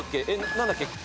何だっけ？